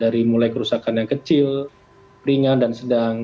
dari mulai kerusakan yang kecil ringan dan sedang